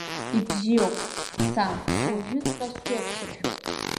Ибзиоуп, сан, уажәыҵәҟьа сҽеиқәсыршәот!